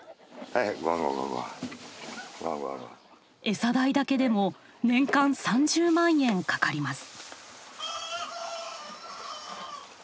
餌代だけでも年間３０万円かかります。